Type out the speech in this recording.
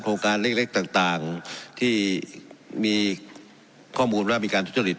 โครงการเล็กเล็กต่างต่างที่มีข้อมูลว่ามีการทุจริต